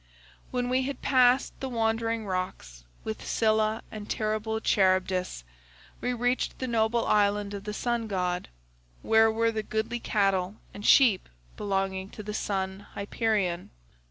"When we had passed the [Wandering] rocks, with Scylla and terrible Charybdis, we reached the noble island of the sun god, where were the goodly cattle and sheep belonging to the sun Hyperion.